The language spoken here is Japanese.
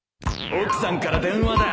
奥さんから電話だ